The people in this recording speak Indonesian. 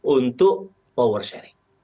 untuk power sharing